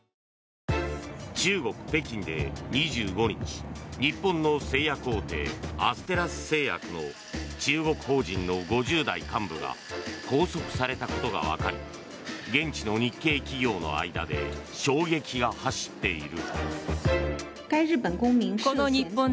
中国・北京で２５日日本の製薬大手アステラス製薬の中国法人の５０代幹部が拘束されたことが分かり現地の日系企業の間で衝撃が走っている。